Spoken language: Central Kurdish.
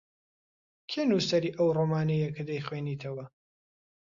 کێ نووسەری ئەو ڕۆمانەیە کە دەیخوێنیتەوە؟